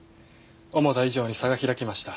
思った以上に差が開きました。